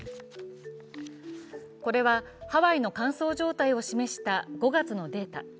これはハワイの乾燥状態を示した５月のデータ。